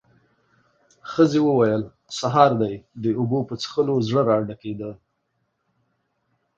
ښځې وويل: سهار دې د اوبو په څښلو زړه راډکېده.